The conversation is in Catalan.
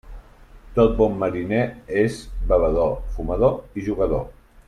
Tot bon mariner és bevedor, fumador i jugador.